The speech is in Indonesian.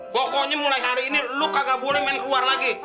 pokoknya mulai hari ini luka gak boleh main keluar lagi